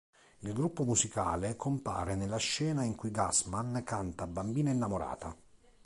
Il gruppo musicale compare nella scena in cui Gassman canta "Bambina innamorata".